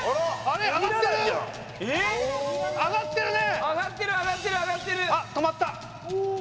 あっ止まった。